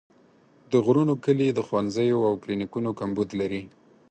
د غرونو کلي د ښوونځیو او کلینیکونو کمبود لري.